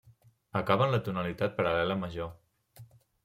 Acaba en la tonalitat paral·lela major.